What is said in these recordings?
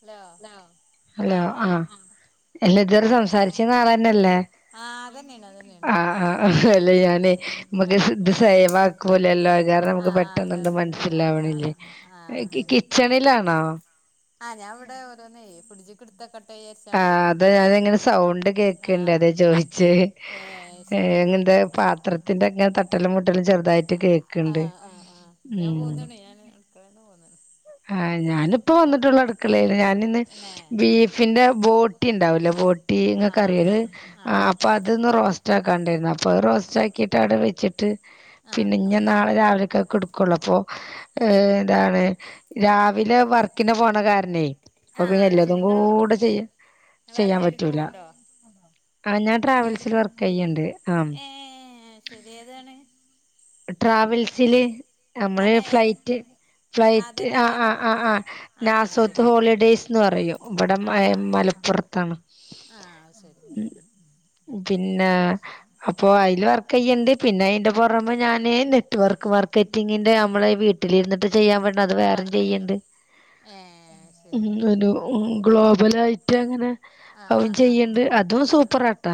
Hello hello ആഹ് അല്ല ഇതുവരെ കേൾക്ക സംസാരി ചീനാ ആളെന്നെല്ലെ? ആഹ് അതന്നെയാണ് അതന്നെയാണ് ആഹ് ആഹ് അല്ല ഞാൻ ആഹ് നമ്മക്ക് ആഹ് ഇത് സേവാ വാക്കുലല്ലോ കാരണം നമുക്ക് പെട്ടന്ന്ട്ട് അതാണ് ആഹ് ആഹ് മനസ്സിലാവണില്ലേ ആഹ് ആഹ് ഏഹ് ശരി കിച്ചണിലാണോ? ആഹ് ഞാൻ ഇവിടെ ഓരോന്ന് ഫ്രിഡ്ജിക്ക് ഇട്ത്തെക്കട്ടെ വിചാർച്ച്. ആഹ് അതാ അതിങ്ങനെ സൗണ്ട് കേക്കണ്ട് ആഹ് അതാ ചോയിച്ചെ. ഏഹ് എങ്ങന്താ പാത്രത്തിന്റെക്കെ തട്ടലും മുട്ടലും ചെറുതായിട്ട് കേക്ക ആഹ് ആഹ് ആഹ് ഞാൻ പോന്ന്ണ് ഞാന് അടുക്കളെന്ന് പോന്ന്ണ്. ആഹ് ഞാനിപ്പോ വന്നിട്ടുള്ളു അടുക്കളേന്ന് ഞാനിന്ന് തന്നെ ബീഫിന്റെ ബോട്ടി ഉണ്ടാവൂലെ ബോട്ടി ആഹ് ഇങ്ങൊക്ക് ആഹ് അറിയല് ആഹ് ആ ആഹ് അപ്പൊ അതൊന്ന് റോസ്റ്റ് ആക്കാണ്ടായിരുന്നു അപ്പൊ അത് റോസ്റ്റാക്കിട്ട് അവിടെ വെച്ചിട്ട്. ആഹ് പിന്നെ ഇഞ്ഞ് നാളെ രാവിലെക്കാക്ക് എടു കൊള്ളു അപ്പൊ ഏ എന്താണ് രാവിലെ വർക്കിന് പോണെ കാരണേ. അപ്പ പിന്നെ ആഹ് ശരി എല്ലതും ഇങ്ങള് കൂടെ ചെയ്യ വേറെ ചെയ്യാൻ ജോലിക്ക് പറ്റൂല പോവ്ണ്ടോ ആ ഞാൻ ട്രാവൽസില് ജോലിക്ക് വർക്ക് ചെയ്യ്ണ്ട് ആ. ഏഹ് ശരി ഏതാണ് ട്രാവൽസ്സില്. ഞമ്മളേ അനെ ഏത് ഫ്ലൈറ്റ് ഫ്ലൈറ്റ് അതന്നെ ആഹ് ആഹ് ഏതാണ് ആഹ് ആഹ് ആഹ് ശരി നാസോത്ത് ഹോളിഡേയ്സ്ന്ന് പറയും. ഇവടെ ആഹ് ഏഹ് ആഹ് മലപ്പൊറ ത്താണ് ആഹ് അയ്ശരി പിന്നാ പ്പയില് അയില് വർക്കെയ്യ്ണ്ണ്ട് പിന്നെ അതിന്റെ പൊറമെ ഞാന് നെറ്റ് വർക്ക് ഉം മാർക്കറ്റിങ്ങിന്റെ ഞമ്മളെ വീ ട്ടിലിര്ന്ന്ട്ട് ചെയ്യാൻ പറ്റ്ണെ അത് വേറെ ചെയ്യ്ണ്ട് ഏഹ് ശരി ഒരു ഉം ഗ്ലോബലായിറ്റ് അങ്ങനെ ആഹ് അതും ആഹ് ആഹ് ചെയ്യ്ണ്ട് അതും സൂപ്പറാട്ട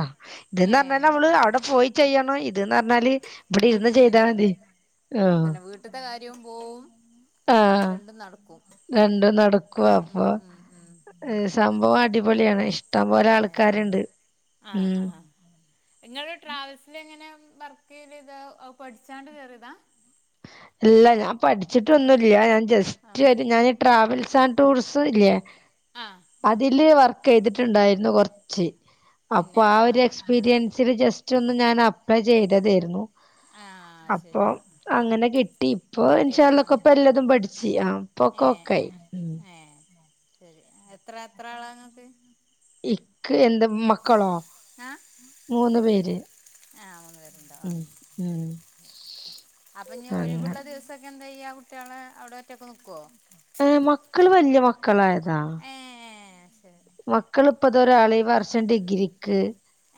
ഇത് ന്നറഞ്ഞാല് ഏഹ് നമ്മള് അവടെ പോയി ചെയ്യണം ഇത് ന്നറഞ്ഞാല് ഇവടെ ഇരുന്ന് ചെയ്താ മതി ആഹ് അതന്നെ വീട്ട്ത്തെ കാര്യവും പോവും ആഹ് രണ്ടും നടക്കും രണ്ടും നടക്കും ഉം അപ്പൊ ഉം ഉം സംഭവം അടിപൊളിയാണ് ഇഷ്ടം പോലെ ഏഹ് ആൾക്കാര്ണ്ട് ആഹ് ആഹ് ഇങ്ങള് ട്രാവൽസ് ലെങ്ങനെ വർക്കിയ്യല്ത് അത് പഠിച്ചാണ്ട് കേറിയതാ ഇല്ല ഞാ ഉം പഠിച്ചിട്ടൊന്നുല്ല ഞാൻ ആഹ് ജസ്റ്റ് ഒര് ഞാൻ ട്രാവൽസ് ആൻഡ് ടൂറിസല്ലെ ആഹ് അതില് വർക്കെയ്തിട്ട്ണ്ടായിര്ന്നു കൊർ ച്ച് അപ്പൊ ആഹ് ഒര് എക്സ്പിരിയൻസില് ജസ്റ്റൊന്ന് ഞാൻ അപ്ലൈ ചെയ്തെ തേര്ന്നു ആഹ് ശരി അപ്പൊം ആഹ് ആഹ് അങ്ങനെ കിട്ടി ഇപ്പൊ ഇൻഷാ കിട്ടിയതാ ആഹ് അള്ളകൊപ്പൊ എല്ലതും പഠിച്ച് ആഹ് ഇപ്പൊക്കെ ഏഹ് ഓക്കായി ഏഹ് ഏഹ് ശരി എത്ര എത്ര ആളാ ഇങ്ങക്ക് ഇക്ക് എന്ത മക്കളോ ആഹ് മൂന്ന് പേര് ആഹ് മൂന്ന് പേര്ണ്ടോ ഉം ഉം അപ്പൊഞ് ഒഴിവ്ള്ള അങ്ങനെ ദിവസൊക്കെ എന്തായ്യാ കുട്ട്യളെ അവടെ ഒറ്റക്ക് നിക്കൊ ഏഹ് മക്കള് വല്യ മക്കളായത ഏഹ് ശ മക്കള്പ്പൊ ഇതൊരാള് ഈ വർഷം ഡിഗ്രിക്ക്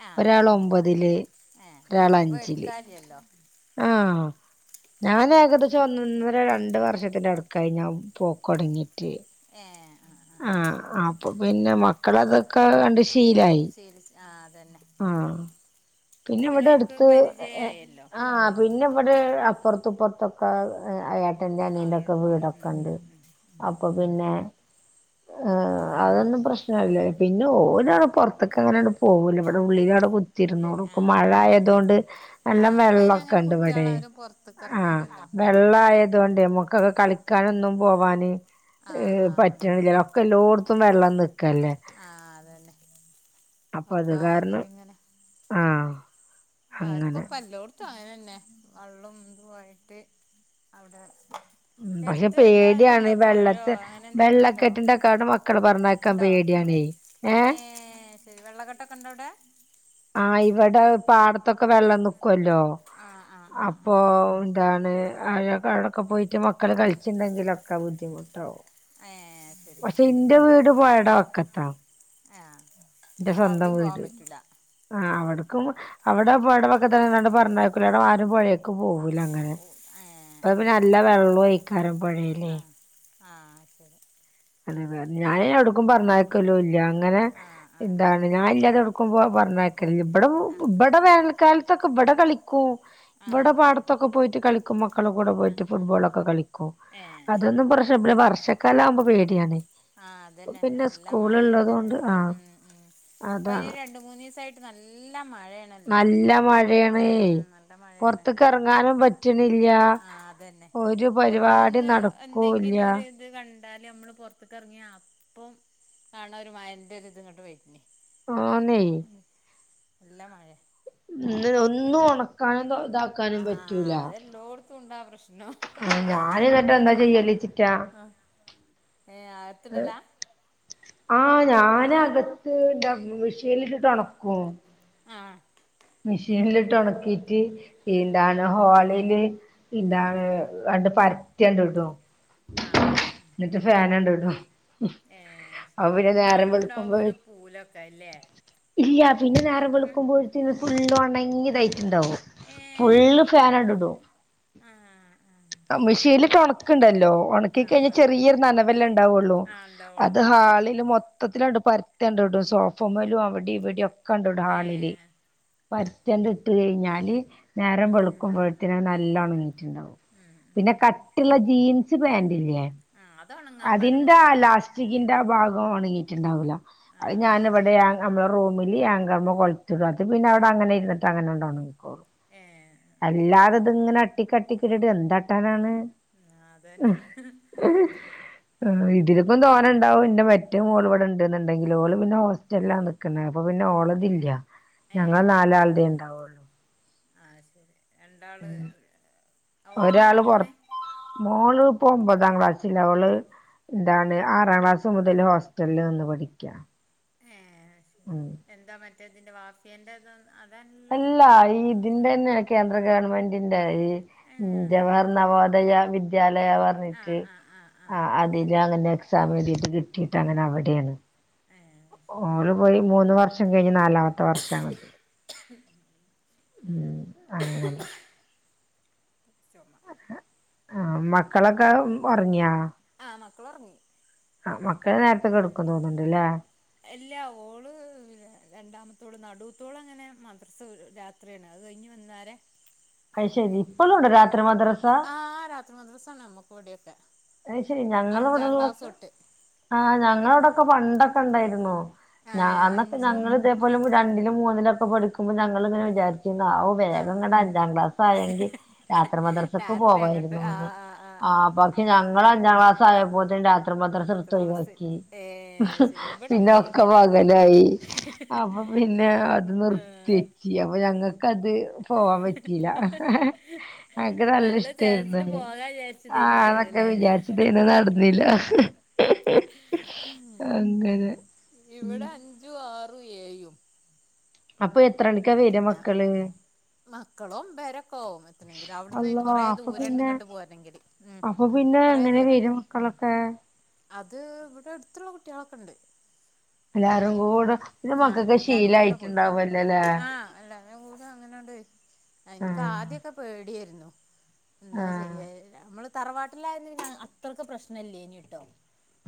ആഹ് ഒരാള് ഒമ്പതില് ഒരാള് അഞ്ചില് ഇല്ലല്ലൊ ആഹ് ഞാന് ഏകദേശം ഒന്നൊന്നര രണ്ട് വർഷ ൻ്റ അടുക്കായി ഞാൻ പോക്കൊടങ്ങീട്ട്ക്കടപപ്പട്ടതതൈഐ ഏഹ് ആഹ് ആഹ് അപ്പൊ പിന്നെ മക്കളെ ഇതൊക്കെ കണ്ട് ശീ ശീലിച് ആഹ് അതെന്നെ ആഹ് പിന്നെവടെ അട്ത്ത്. പരിചയായല്ലോ ആഹ് പിന്നെ ഇവടെ അപ്പർത്തു ഇപ്പർത്തൊക്കെ അയ ഏട്ടന്റെ അനിയന്റെ ആൾ ഉം ഉം ഉം വീടൊക്കെണ്ട് ഉം അപ്പൊ പിന്നെ ഉം ആഹ് ശരി അതൊന്നും പ്രശ് ല്ലെ പിന്നെ ഓല് പൊറത്ത്ക്കങ്ങനട് പോവൂല ഇവടെ ഉള്ളിലവടെ ഉള്ളിൽ കുത്തിരുന്നോളും ഇപ്പ ആഹ് ആഹ് ആഹ് മഴയാതോണ്ട് നല്ല ആഹ് ഇപ്പ അയിന് വെള്ളൊക്കെ അങ്ങനെ ഇണ്ട് ഇവടേ. കുട്ടികളാരും പൊറത്ത്ക്ക് ആഹ് എറങ്ങൂലല്ലോ വെള്ളായതോണ്ടെ നമ്കൊക്കെ ആഹ് കളിക്കാനൊന്നും പോവാനെ ആഹ് ആഹ് ആഹ് പറ്റ്ണില്ലലൊ ഇക്ക് എല്ലോട്ത്തും വെള്ളം നിക്കല്ലെ ആഹ് ആതെന്നെ. അപ്പൊ അത് കാരണം ഒക്കാതിലിങ്ങനെ ആഹ് ആർക്കൊ അങ്ങനെ പ്പെല്ലോട് അ [unintelligible] ങ്ങനെന്നെ വള്ളും തു ആയിട്ട് അവിടെ ഉം പഷെ എടുത്ത് എന്താ പേട്യാണ്. ഇതുണ്ടോ പുഴയോ വെള്ളത്തെ അങ്ങനെ എന്തെങ്കിലും ഉണ്ടോ വെള്ളക്കെട്ടിന്റക്കവടെ മക്കളെ പറഞ്ഞയക്കാ ഉണ്ടോ പേട്യാണെ ഏ ഏഹ് ശരി വെള്ള കെട്ട് ഒക്കെ ഇണ്ടൊ ഔടെ ആഹ് ഇവടെ പാടത്തൊക്കെ വെള്ളം നിക്കൊല്ലോ ആ ആ ആ ആ അപ്പൊ ഇതാണ് അവി [unintelligible] ടൊക്കെ പോയിട്ട് മക്കള് കളിച്ചിണ്ടെങ്കിലൊക്കെ ബുദ്ധിമുട്ടാവും ഏ ശരി ആ പക്ഷെ ഇന്റെ വീട് പുഴേടെ വക്കത്താ എഹ് ആഹ് എന്റെ അപ്പ സ്വന്തം അവിടിം പോവാൻ വീട് പറ്റൂല ആഹ് അവിട്ക്കും അവിടെ പൊഴടെ വക്കത്തെക്കെ [unintelligible] തന്നെ എണ്ട് പറഞ്ഞക്കല് അവ്ടെ ആരും പോഴിയേക് പോവൂല അങ്ങനെ. ഓ ഏ അപ്പ നല്ല വെളള്വയ്ക്കാരം പൊഴേ ആഹ് ആഹ് ശെരി അതെതേ ഞാന് ഒടുക്കും പറഞ്ഞ യക്കലൂല ഇങ്ങനെ ആ ആ എന്താണ് ഞാൻ ഇല്ലാതെ ക്കും ഓ പറ്ഞ്ഞയക്കൽല്യ ഇബ്ടെ ആ ഇബടെ വേനൽക്കാലത്തൊക്കെ ഇ ബെടെ കളിക്കൂ ആ ഇബെടെ പാടത്തൊക്കെ പോയിട്ട് കളിക്കും. മക്കളെ വീട്ടിൽ കൂടെ ആ പോയിട്ട് ആ ആ ഫുട്ബോളൊക്കെ കളിക്കും ഏ ശരി അതൊന്നും പ്രശ [unintelligible] ഇബ്ടെ വർഷക്കാലാവുമ്പോ പേട്യാണ് ആഹ് അതെന്നെ. നല്ല മഴ ന്റെ കൊണ്ട് ആഹ് ഉം ഉം അപ്പയ്ന് അതാണ് ഇ രണ്ടും മൂന്നീസായിട്ട് നല്ല മഴേണല്ലോ. നല്ല ഉം നല്ല മഴേണ് ക്കെറങ്ങാനും പറ്റ്ണില്ല ആഹ് അതന്നെ ഒന്നൊന്ന് നടക്കൂല്ല എന്തെങ്കിലും ഒര് ത് കണ്ടാല് നമ്മള് പൊറത്ത്ക്കറ്ങ്ങ്യ അപ്പം. കാണ ഒരു മയന്റെ ഇത് ഇങ്ങട്ട് വെര്ന് ആന്നെയ് ഉം നല്ല മഴെ ഉം ഇതിലൊന്നും ഒണക്കാനും ഇതാക്കാനും പറ്റൂല അതെല്ലാട്ത്തും ഉണ്ട് ആഹ് ഞാന് ഇന്നട്ട്. എന്താ ചെയ്യല് ചിക്ക ആഹ് ഏഹ് അഹ്‌ത്ത്ടലാ ആഹ് ഞാന് അകത്ത് ഇട മിഷിലിട്ട് ട്ട് ഒണക്കും ആഹ് മിഷീൻലിട്ട് ഒണക്കിട്ട് ഉം എന്താണ് ഹോളില് ഇന്താണ് ഉം ആണ്ട് പരത്തി ആണ്ട് ഇടും ആഹ് ആഹ് ആഹ് ഇന്നട്ട് ഫാൻ ആണ്ട് ഇടും. ഏഹ് അപ്പൊ ശെരി പിന്നെ നേരം ഇന്നാലും ഇണ്ടാവും വെളുക്കുമ്പോ ഒരു പൂലൊക്കെ അല്ലേ ഇല്ല പിന്നെ നേരം ഉം വെളുക്കുമ്പോത്തിന്ന് ഫുള്ള് ഒണങ്ങിയതായി് ഇണ്ടാവും. ഏഹ് ഫുള്ള് ശരി ഫാനണ്ട് ഇടും ആഹ് മിഷീനിൽ ഇട്ട് ഒണക് ക്ക്ണ്ടല്ലോ. ഒണക്കി ആഹ് കഴിഞ്ഞാ ആഹ് ആഹ് ചെറീയൊരു നനവെല്ല ഇണ്ടാവൊള്ളൂ ആഹ് ഉണ്ടാവുള്ളൂ അത് ആഹ് ഹാളില് മൊ മൊത്തത്തിലാണ്ട് പരത്തി ആണ്ട് ഇടും. സോഫ മെലും അവിടി ഇവടിം ഒക്കെ ആണ്ട് ഇടും ഹാളില് ഏഹ് പര്ത്തി ആണ്ട് ഇട്ട് കഴിഞ്ഞാല് നേരം ആഹ് ആഹ് വെളുക്കുമ്പോഴത്തന് നല്ലോണ അഹ് ഒണങ്ങിട്ട്ണ്ടാവും. ഉം ഉം പിന്നെ ഉം കട്ടി ഇള്ള ജീൻസ് പാന്റ് ഇല്ലേ ആഹ് അത് ഒണങ്ങാൻ പരം തന്നേണ്. ചികിന്റെ ആ ഭാഗം ഒണങ്ങീട്ട്ണ്ടാവൂല. ഞാന് ആഹ് ഇവടെ നമ്മള റൂമില് ഏങ്ക്രമ്മെ കൊള്ത്തിടും. അത് പിന്നെ അവിടെ അങ്ങനെ ഇരുന്ന്ട്ട് അങ്ങനെ ആണ്ടോണങ്ങും. ഒഹ് ഏഹ് അല്ലാതെ ഇത് ഇങ്ങനെ അട്ടിക്കട്ടിക്കിട്ടിട്ട് എന്ത് ആട്ടാനാണ് ആഹാ അത തന്നെ ് ഇതിലക്കും തോണ ഉണ്ടാവും എന്റെ മറ്റേ മോൾ- ഇവിടെണ്ടന്നുണ്ടെങ്കിൽ ഓള് പിന്നെ ഹോസ്റ്റലില. അപ്പോ പിന്നെ ഓളതില്ല, ഞങ്ങൾ നാലാൾ ടെ ഉണ്ടാവും. ആഹ ശരി രണ്ടാള്- ഓളെന്തിനാ ഒരാള് പുറത്ത പഠിക്കണേ മോള്ഇപ്പൊ ഒമ്പതാം- ക്ലാസിലാ അവള്. എന്താണ് ആറാം ക്ലാസ് മുതൽ- ഹോസ്റ്റലിൽ നിന്ന് പഠിക്കുക. ഏ ശരി എന്താ മറ്റേ ഇതിന്റെ, വാഫിയേന്റെത അതതാണ്. അല്ല ഈ ഇതിന്റെ തന്നെയ കേന്ദ്ര ഗവൺമെന്റ് തന്നെ. ന്റെ ഈ ഏഹ് ജവഹർ നവോദയ വിദ്യാലയ പറ ഞ്ഞിട്ട് ആഹ് ആഹ് ആഹ് ആഹ് ആഹാ അതില് അങ്ങനെ എക്സാം എഴുതിട്ട് കിട്ടിട്ട്, അങ്ങനെ- അവിടെയാണ്. ഏ അയ്ശരി. പോയി മൂന്ന് വർഷം കഴിഞ്ഞ്- നാലാമത്തെ വർഷാണത്. [inaudible] മ് അങ്ങനെ- ചൊമ- ആഹാ മക്കളൊക്കെ ഒറങ്ങിയോ? ആ മക്കളൊറങ്ങി. ആഹാ മക്കള് നേരത്തെ കെടക്കു തോന്നുണ്ട്ല്ലേ? ഇല്ല ഓള് രണ്ടാമത്തോള്, നടുവത്തോളങ്ങനെ മദ്രസ രാ- ത്രയാണ് അത് കഴിഞ്ഞ് വന്നാരെ. അയ് ശരി ഇപ്പളുണ്ടോ രാത്രി - ആ രാത്രി മദ്രസാ- നമ്മക്കിവിടെയൊക്കെ- അയ്ശരി ഞങ്ങള ഇവിടെള്ളൊക്കെ ആഹാ ഞങ്ങള ഇവിടെക്കെ, പണ്ടൊക്കെണ്ടായിരുന്നു. ഏഹ് അന്നൊക്കെ അഞ്ചും ഞങ്ങളിതേപോലെ രണ്ടിലും മൂന്നിലും ഒക്കെ പഠിക്കുമ്പോ ഞങ്ങളിങ്ങനെ വിചാരി- ക്ക്ന്നാവു വേഗം ആഹ് ഇങ്ങട്ട് അഞ്ചാം ക്ലാസ്സാ യെങ്കി രാത്രി മദ്രസ്ക്ക് രാത്രി അങ്ങട്ട് പോവായിരു- ആഹ് ആഹ് ആഹ് ആഹാ ആഹ് പെർക്കി ഞാ- ഞങ്ങളഞ്ചാം ക്ലാസ്സായപ്പോത്തേൻ- രാത്രി മദ്രസ മദ്രസയില്ല എടുത്തൊഴിവാക്കി. ഏഹ് ശരി പിന്നെ ഇവിടെണ്ട് ഒ- ക്കെ ഇവിടെ പകലായിപ്പോ പിന്നെ അത്- നിർത്തി. ആഹ് ജി അപ്പ ഞങ്ങക്കത്. പോവാൻ പറ്റില്ല എയ്ക്ക് നല്ല- ഇഷ്ടാരുന്നു ചാൻസില് അങ്ങനെ. പോകാൻ ഞാ വിചാരിച്ചതേനിക്കാരല്ലേ വിചാരിച്ചതേനു നടന്നില്ല. ഉം അങ്ങനെ മ്. അഞ്ചു, ആറും, ഏഴും. അപ്പോ എത്രണിക്കാ വര്വാ മക്കള്? മക്കളോമ്പരെക്കാവും എത്തണെങ്കി, അവിടന്ന് അള്ളാ കൊറെ അപ്പൊ ദൂരണ്ട് പിന്നെ ഇങ്ങട്ട് പോരണെങ്കില്, ഉം.. അപ്പൊ പിന്നെ കൊറേ എങ്ങനെ ദൂരണ്ട് വേരും മക്കളൊക്കെ? അത് ഇവിടെ അടുത്തുള്ള കുട്ടികളൊക്കെണ്ട്. എല്ലാരും കൂടെ പിന്നെ ആ മക്കൾക്ക് എല്ലാരും കൂടെ പോരും ശീലായിട്ടുണ്ടാവല്ലോല്ലേ ആഹാ എല്ലാരും കൂടി അങ്ങനെണ്ട്, എനക്ക് ആഹ് ആദ്യോക്കെ പേടിയാരുന്നു. എന്താ ആഹ് ചെയ്യ നമ്മള്- തറവാട്ടിലാരുന്നേ അത്രക്ക് പ്രശ്നം ഇല്ലേ ന്യു ട്ടോ.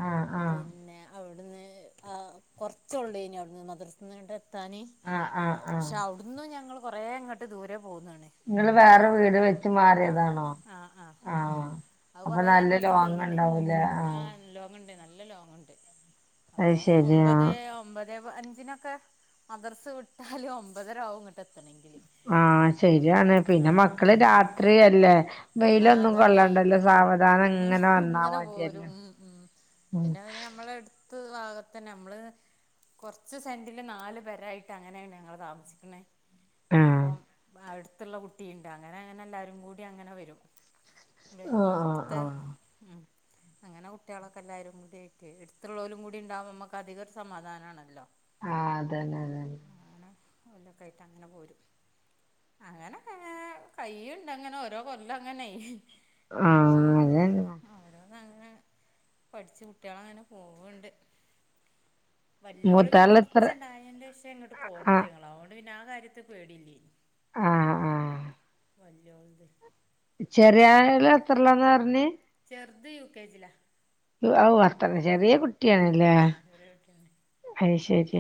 ആഹ് ആഹ് പിന്നെ അവള്. വിടുന്ന് ആ കൊറച്ചോള്ളേ ന്യു, അവിടുന്ന് മദ്രസ്സത്ത്ന്ന് ങ്ങട്ടേത്താന്. ആഹാ ആഹാ ആഹാ.. ഇന്നും ഞങ്ങള് കൊറേങ്ങട്ട് ദൂരെ പോന്നീണ്. ങ്ങള് വേറെ വീട് വെച്ച്- മാറിയതാണോ? ആഹ് ആഹ് ആഹാ... അത് കൊറെ ങ്ങട്ട് പോന്നീണ്, ഞങ്ങള് ആഹ് ആഹാ ലോങ്ങോണ്ട് നല്ല- ലോങ്ങോണ്ട്. അത് അപ്പോ ശരിയാ ഒമ്പതേ ഒമ്പ ദേ വ് അഞ്ചിനൊക്കെ മദ്രസ് വിട്ടാല് ഒമ്പതരാവും ഇങ്ങട്ട് എത്തണെങ്കില്. ആഹാ... ആഹാ ശരിയാണ്. പിന്നെ ആഹ് മക്കള് രാത്രിയല്ലേ ആഹ് വെയിലൊന്നും അതാണേ കൊള്ളണ്ടല്ലോ, സാവധാ- ഇങ്ങനെ പോരും മ് മ് ഉം പിന്നെ പിന്നെ നമ്മളെട് ത്ത് ഭാഗത്ത് നമ്മള് കൊറച്ച് സെന്റില് നാല് പേരായി ട്ടഅങ്ങനെയ ഞങ്ങള് താമസിക്കണേ ആഹ് അപ്പം അടു ത്തുള്ള കുട്ടിയുണ്ട് അങ്ങനെ അങ്ങനെ എല്ലാരും കൂടി അങ്ങനെ വരും ആഹ് ആഹ് അവിട്ത്തെ ആഹ് മ് അങ്ങനെ കുട്ടികളൊക്കെ എല്ലാരും കൂടിയൊക്കെ എടുത്തുള്ളോലും കൂടി ണ്ടാവുമ്പോ നമുക്ക് അധികം ഒരു സമാധാനാണല്ലോ ആഹ് അതന്നെ അത അങ്ങനെ എല്ലൊക്കെ ആയിട്ട് അങ്ങനെ പോരും അങ്ങനെക്കങ്ങനെ, കയ്യ്ണ്ടങ്ങനെ, ഓരോ കൊല്ലങ്ങനെ. ആഹ് പോയ് അതന്നെ ആരാ. തങ്ങനെ പഠിച്ച് കുട്ടൃളങ്ങനെ പോവ്ണ്ട്. വലൃയോള് പിന്നെ മൂത്താള് എത്ര കൊർച്ചെണ്ടായെന്റെഷെ ങ്ങട്ട്പേന്നത് ആഹ് അതേണ്ട് പിന്നെ ആ കാര്യത്തീ പേടില്ലെ. ആഹ് ആഹ് വല്യോൾത് ചെറിയാൾല് എത്രളാന്നർറഞ്ഞ്. ചെർത് യു. കെ. ജിലാ അവ് വർത്താനം ചെറിയെ കുട്ടിയാണില്ലേ ആ ചെറിയ കുട്ടിയാണ് അയ്ശെരി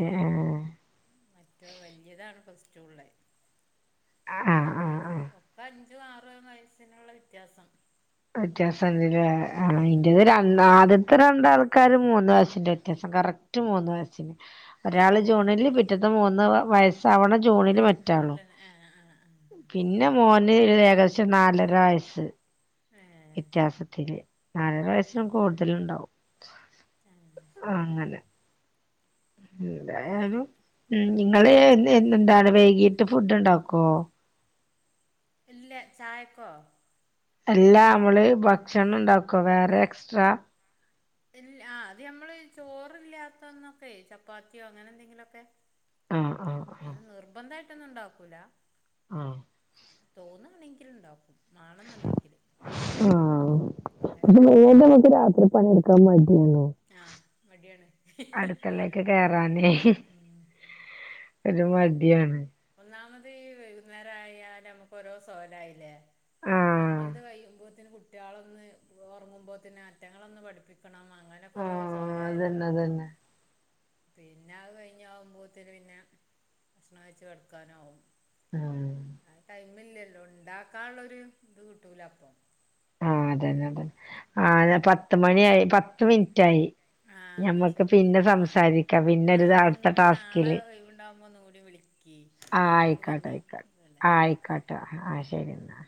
മറ്റേ വല്യതാണ് ഫസ്റ്റുള്ളെ. ആഹ് ആഹ് ൻ്റെടെല് ആഹ് ഒക്കെ അഞ്ചും, ആറും, വയസിനുള്ള വ്യത്യാസം. വെറ്റൃസണ്ട്ലെ ഉം ആ ഉം ഉം ൻ്റെത് രൺ ന്നാദ്യത്തെ രണ്ടാൾക്കാരും മൂന്ന് വയസിന്റെ വെത്യാസം കറക്റ്റ് മൂന്ന് വയസിൻ്റെ ഏ ഒരാള് ജൂണില് പിറ്റത്തെ മൂന്ന് വയസ്സാവ്ണ ജൂണില് മറ്റാളും. ജൂണിലാണ് ആ ആ ആ ആ പിന്നെ മോന് ഒരെകദേശം നാലര വയസ്സ്. ഏ വെത്യാസത്തില് നാലരവയസ്സിന് കൂടുതലുണ്ടാവും. ആഹ് ശെരി. ഏതായാലും ഉം നിങ്ങള് എന്ന് [unintelligible] വൈകീട്ട് ഫുഡ്ണ്ടാക്കേ. ഇല്ല ചായക്കോ? എല്ലാ മ്മള് ഉം. ഭക്ഷണണ്ടാക്കോ വേറെ എക്സ്ട്രാ.. ല് ആ അത് നമ്മള് ചോറില്ലാത്ത ന്നൊക്കെ ചപ്പാത്തിയോ അങ്ങനെ ന്തെങ്കിലെക്കെ. ആഹ് ആഹ് ആഹ് അങ്ങന നിർബന്ധായിട്ടൊന്നുണ്ടാക്കൂല ആഹ് തോന്നാണെങ്കില്ണ്ടാകും ആഹ് ത് അങ്ങനെയുള്ളൂ വെകങ്ങട്ട് രാത്രി പണിയെടുക്കാന് മടിയാണ്. ആഹ് മടിയാണ് ഹ് ഹ് ക്ക് കേറാനെ ഹ് ഒരു മടിയാണ്. ഒന്നാമത് ഈ വൈകുന്നേരയാല് നമുക്കേരോ സോലായിലെ. ആഹ് നമ്മൾത് കഴിയുമ്പോത്തിന് കുട്ടൃളൊന്ന് ഒർങ്ങുമ്പോത്തിന് അറ്റങ്ങളൊന്ന് പഠിപ്പിക്കണം അങ്ങനെ പിന്നെപ്പൊരോ ആഹ് സോലായല്ലോ അതന്നെ മ്മക്ക് അതന്നെ പിന്നത് കഴിഞ്ഞാവുമ്പോത്തിന് പിന്നെ ഭക്ഷണം കഴിച്ച് കെടക്കാനാവും ആഹ് അഹ് ടയ്മില്ലല്ലോ ണ്ടാക്കാള്ളൊരുത് കിട്ടൂലപ്പൊ. ആഹ് തെന്നെ തെന്നെ ആ പത്ത് മണിയായി പത്ത് മിൻറ്റായി. ആ എന്നാൽ നമ്മക്ക് ശരി പിന്നെ ആ സംസാരിക്കാ ആ പിന്നെരുതാ ഇനി അട്ത്ത നിങ്ങൾ നാളെ ടാസ്കില്. ഒഴിവുണ്ടാകുമ്പോൾ ഒന്നുകൂടി വിളിക്ക് ആഹ് അപ്പം നമുക്ക് അയ്ക്കേട്ടെ പിന്നെയും അയ്ക്കേട്ടെ ഇതല്ലേ ആ എന്നാ ആയിക്കോട്ടെ അയക്കേട്ടെ ആഹ് ശെരി ന്നാൽ.